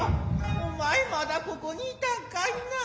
お前まだここに居たんかいなァ。